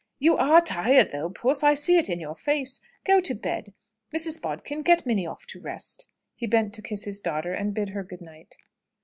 "You are tired though, puss! I see it in your face. Go to bed. Mrs. Bodkin, get Minnie off to rest." He bent to kiss his daughter, and bid her good night.